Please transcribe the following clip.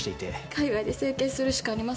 海外で整形するしかありません。